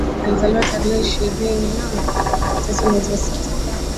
Alizaliwa tarehe ishirioni na tatu mwezi wa sita